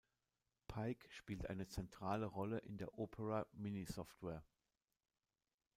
Pike spielt eine zentrale Rolle in der Opera Mini Software.